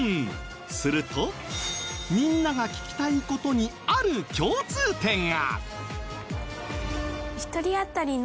するとみんなが聞きたい事にある共通点が！